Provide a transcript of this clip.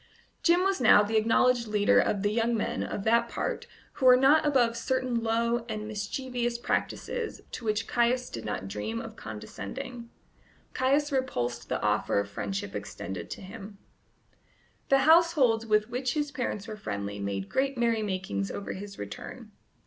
Jim was now the acknowledged leader of the young men of that part who were not above certain low and mischievous practices to which Caius did not dream of condescending. Caius repulsed the offer of friendship extended to him. The households with which his parents were friendly made great merrymakings over his return.